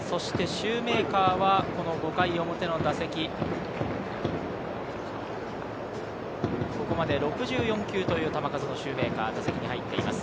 シューメーカーは５回表の打席、ここまで６４球という球数のシューメーカーが打席に入っています。